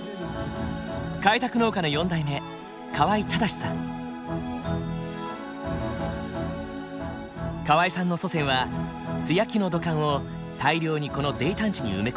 開拓農家の４代目川合さんの祖先は素焼きの土管を大量にこの泥炭地に埋め込んだ。